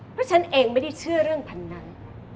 เพราะฉันเองไม่ได้เชื่อเรื่องพันธุ์นั้น